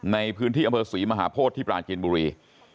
ในพื้นที่อำเภอศรีมหาโพธิที่ปลาจีนบุรี